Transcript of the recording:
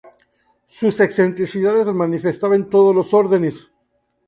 Sus excentricidades las manifestaba en todos los órdenes.